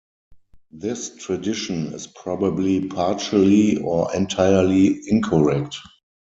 This tradition is probably partially or entirely incorrect.